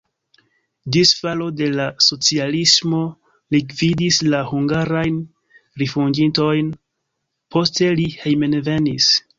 Ĝis falo de la socialismo li gvidis la hungarajn rifuĝintojn, poste li hejmenvenis.